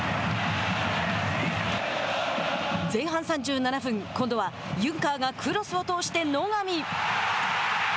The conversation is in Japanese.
前半３７分今度はユンカーがクロスを通して野上。